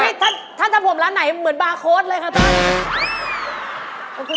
อุ๊ยท่านทำผมร้านไหนเหมือนบาร์โค้ดเลยค่ะท่าน